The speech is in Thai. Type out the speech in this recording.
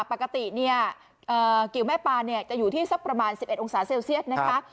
ปกติเนี่ยกิวแม่ปานจะอยู่ที่สักประมาณ๑๑องศาเซลเซียสนะคะ